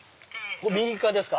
右側ですか？